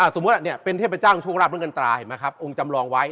สมมุติเป็นเทพจ้างโชคราบเงินกันตราเห็นไหมครับองค์จำลองไว้